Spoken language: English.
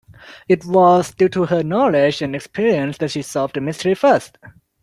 It was due to her knowledge and experience that she solved the mystery first.